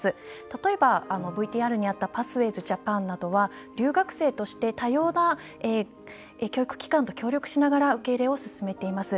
例えば、ＶＴＲにあったパスウェイズ・ジャパンなどは留学生として多様な教育機関と協力しながら受け入れを進めています。